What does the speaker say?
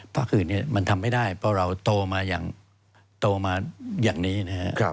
พักอื่นมันทำไม่ได้เพราะเราโตมาอย่างนี้นะครับ